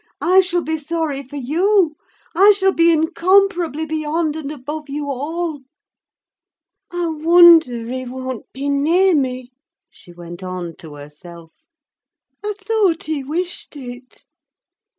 I shall be sorry for you. I shall be incomparably beyond and above you all. I wonder he won't be near me!" She went on to herself. "I thought he wished it.